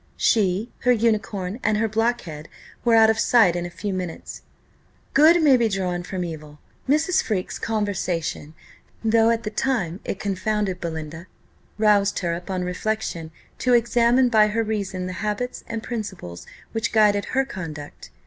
She, her unicorn, and her blockhead, were out of sight in a few minutes. Good may be drawn from evil. Mrs. Freke's conversation, though at the time it confounded Belinda, roused her, upon reflection, to examine by her reason the habits and principles which guided her conduct.